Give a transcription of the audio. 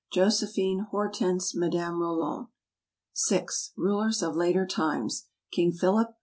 JOSEPHINE. HORTENSE. MADAME ROLAND. VI. Rulers of Later Times. KING PHILIP.